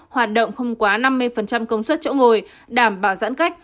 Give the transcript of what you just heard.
hoạt động không quá năm mươi công suất chỗ ngồi đảm bảo giãn cách